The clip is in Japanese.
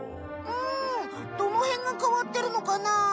うんどのへんがかわってるのかな？